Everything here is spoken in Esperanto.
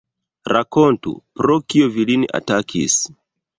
Rakontu, pro kio vi lin atakis?